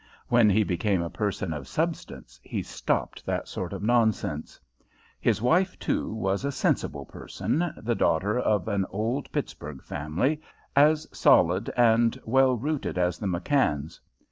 When he became a person of substance he stopped that sort of nonsense. His wife, too, was a sensible person, the daughter of an old Pittsburgh family as solid and well rooted as the McKanns.